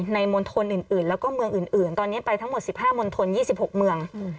มณฑลอื่นแล้วก็เมืองอื่นตอนนี้ไปทั้งหมด๑๕มณฑล๒๖เมือง